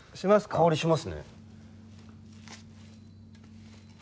香りしますね。